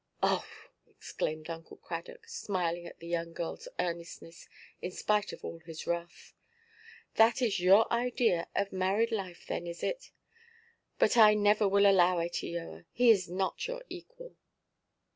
"Oh!" exclaimed Uncle Cradock, smiling at the young girlʼs earnestness in spite of all his wrath; "that is your idea of married life then, is it? But I never will allow it, Eoa: he is not your equal."